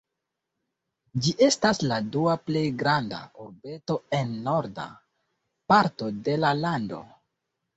Ĝi estas la dua plej granda urbeto en norda parto de la lando.